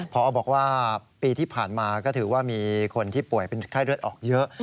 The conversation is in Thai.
พอบอกว่าปีที่ผ่านมาก็ถือว่ามีคนที่ป่วยเป็นไข้เลือดออกเยอะ